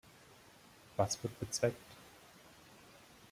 Was wird bezweckt?